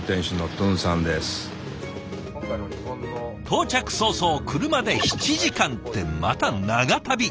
到着早々車で７時間ってまた長旅！